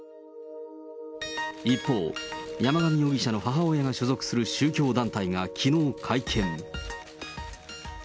一方、山上容疑者の母親が所属する宗教団体がきのう会見。